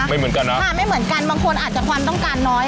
เหมือนกันนะค่ะไม่เหมือนกันบางคนอาจจะความต้องการน้อย